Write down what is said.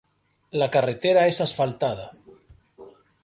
La carretera es asfaltada.